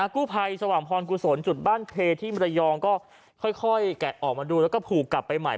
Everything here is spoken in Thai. กู้ภัยสว่างพรกุศลจุดบ้านเพที่มรยองก็ค่อยแกะออกมาดูแล้วก็ผูกกลับไปใหม่